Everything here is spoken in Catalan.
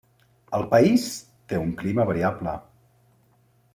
El país té un clima variable.